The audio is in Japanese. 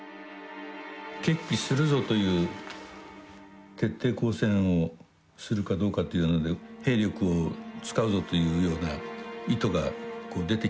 決起するぞという徹底抗戦をするかどうかというので兵力を使うぞというような意図が出てきてるわけですね。